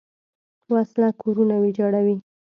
وسله کورونه ویجاړوي